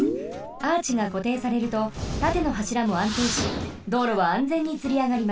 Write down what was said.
アーチがこていされるとたてのはしらもあんていし道路はあんぜんにつりあがります。